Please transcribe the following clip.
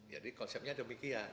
jadi konsepnya demikian